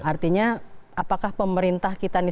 artinya apakah pemerintah kita nih